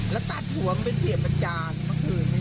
อยากให้จับคนที่ทำลูกครับ